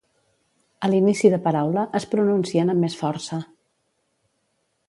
A l'inici de paraula, es pronuncien amb més força.